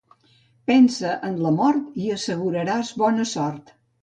Pensa en la mort i asseguraràs bona sort.